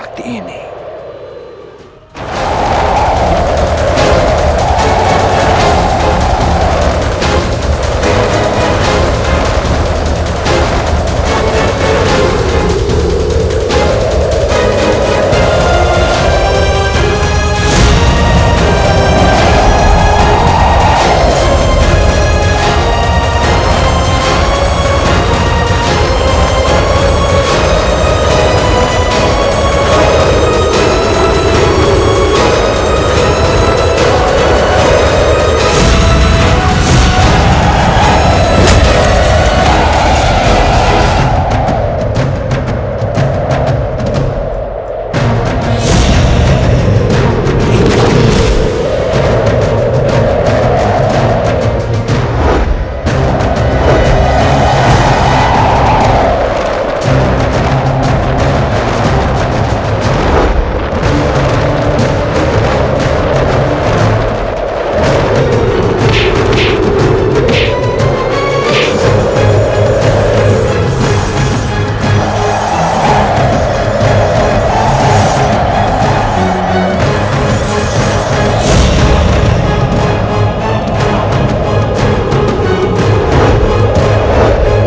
kau benar maesha